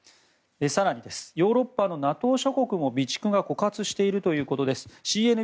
更にヨーロッパのＮＡＴＯ諸国も備蓄が枯渇しているということです。